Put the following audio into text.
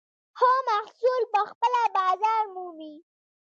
ښه محصول پخپله بازار مومي.